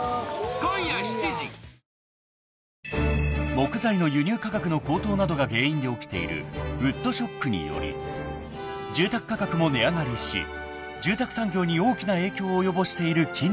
［木材の輸入価格の高騰などが原因で起きているウッドショックにより住宅価格も値上がりし住宅産業に大きな影響を及ぼしている近年］